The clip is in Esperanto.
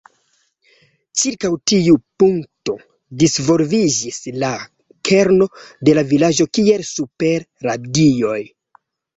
Ĉirkaŭ tiu punkto disvolviĝis la kerno de la vilaĝo kiel super radioj.